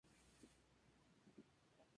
Se encuentran en Asia: la China.